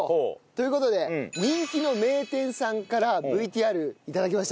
という事で人気の名店さんからＶＴＲ頂きましたんで。